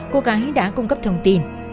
cô gái đã cung cấp thông tin